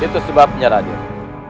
itu sebabnya raditya